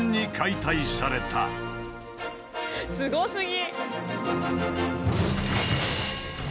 すごすぎ！